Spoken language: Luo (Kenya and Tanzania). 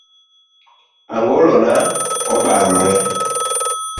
Angolo na obarore